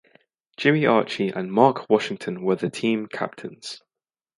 Jimmy Archie and Marc Washington were the team captains.